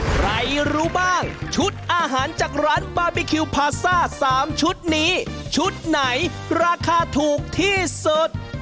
ใครรู้บ้างชุดอาหารจากร้านบาร์บีคิวพาซ่า๓ชุดนี้ชุดไหนราคาถูกที่สุด